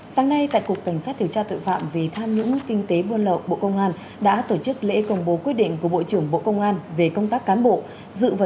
sáng nay tại cục cảnh sát điều tra tội phạm về tham nhũng kinh tế buôn lậu bộ công an đã tổ chức lễ công bố quyết định của bộ trưởng bộ công an về công tác cán bộ